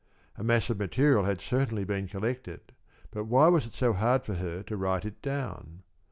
A mass of material had certainly been collected, but why was it so hard for her to write it down?